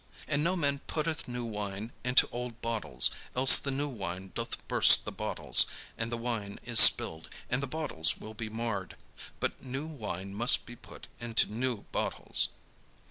And no man putteth new wine into old bottles: else the new wine doth burst the bottles, and the wine is spilled, and the bottles will be marred: but new wine must be put into new bottles."